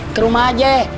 kerumah aja ya